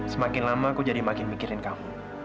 semakin lama aku jadi makin mikirin kamu